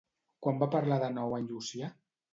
Quan va parlar de nou en Llucià?